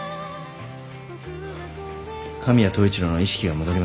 神谷統一郎の意識が戻りました。